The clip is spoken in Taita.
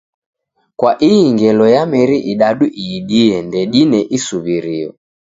Kwa ihi ngelo ya meri idadu iidie ndedine isuw'irio.